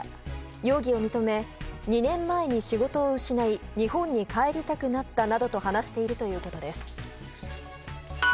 容疑を認め２年前に仕事を失い日本に帰りたくなったなどと話しているということです。